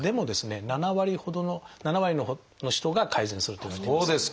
７割ほどの７割の人が改善するといわれています。